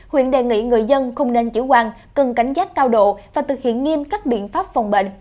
huyện đề nghị người dân không nên chủ quan cần cảnh giác cao độ và thực hiện nghiêm các biện pháp phòng bệnh